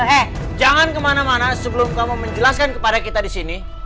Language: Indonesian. eh jangan kemana mana sebelum kamu menjelaskan kepada kita di sini